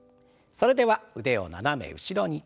それでは腕を斜め後ろに。